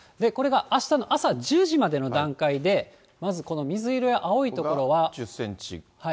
これがあしたの朝１０時までの段階で、まずこの水色や青い所は。